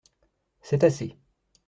C’est assez.